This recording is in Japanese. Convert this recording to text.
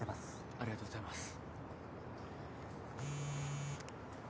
ありがとうございます。